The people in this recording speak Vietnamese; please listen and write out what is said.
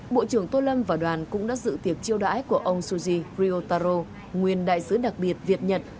bộ trưởng tô lâm và đoàn cũng đã dự tiệc chiêu đãi của ông suji kriotaro nguyên đại sứ đặc biệt việt nhật